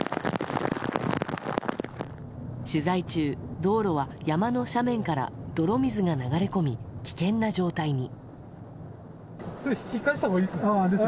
取材中、道路は山の斜面から泥水が流れ込み危険な状態に。